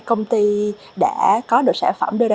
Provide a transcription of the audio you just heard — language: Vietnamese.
công ty đã có được sản phẩm đưa ra